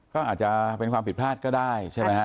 ก็อาจจะเป็นความผิดพลาดก็ได้ใช่ไหมฮะ